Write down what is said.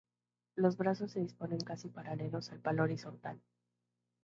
Los brazos se disponen casi paralelos al palo horizontal.